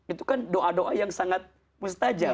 itu kan doa doa yang sangat mustajab